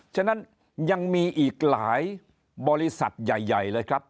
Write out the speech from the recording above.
ฉะนั้นยังมีอีกหลายบริษัทใหญ่เลยครับ